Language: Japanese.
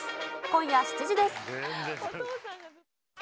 今夜７時です。